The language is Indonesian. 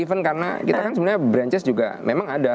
even karena kita kan sebenarnya branchise juga memang ada